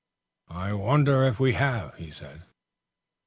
"I wonder if we have?" he said.